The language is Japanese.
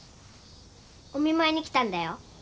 お見舞いに来たんだよ。